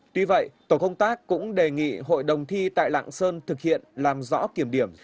tuy vậy tổ công tác cũng đề nghị hội đồng thi tại lạng sơn thực hiện làm rõ kiểm điểm